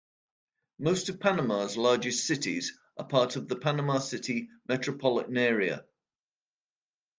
Most of Panama's largest cities are part of the Panama City Metropolitan Area.